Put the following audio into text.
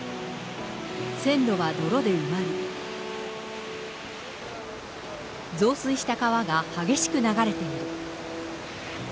線路は泥で埋まり、増水した川が激しく流れている。